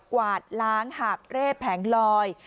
กวาดล้างหาบเร่แผงลอย